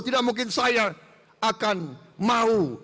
tidak mungkin saya akan mau